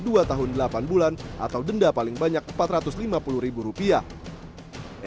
dua tahun delapan bulan atau denda paling banyak empat ratus lima puluh ribu rupiah